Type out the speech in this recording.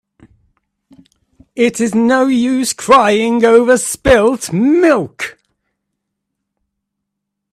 It is no use crying over spilt milk.